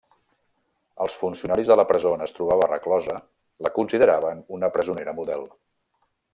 Els funcionaris de la presó on es trobava reclosa la consideraven una presonera model.